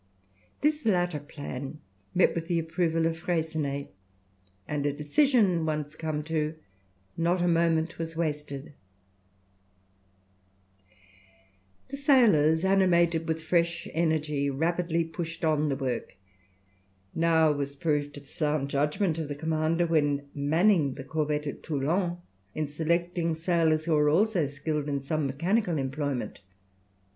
This latter plan met with the approval of Freycinet, and a decision once come to, not a moment was wasted. The sailors, animated with fresh energy, rapidly pushed on the work. Now was proved the sound judgment of the commander when manning the corvette at Toulon, in selecting sailors who were also skilled in some mechanical employment.